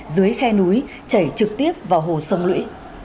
dưới khe núi chảy trực tiếp vào hồ sông lũy